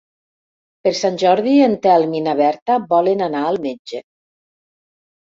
Per Sant Jordi en Telm i na Berta volen anar al metge.